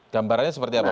gambarannya seperti apa pak